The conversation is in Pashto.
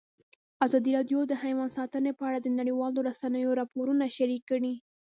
ازادي راډیو د حیوان ساتنه په اړه د نړیوالو رسنیو راپورونه شریک کړي.